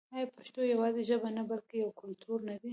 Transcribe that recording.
آیا پښتو یوازې ژبه نه بلکې یو کلتور نه دی؟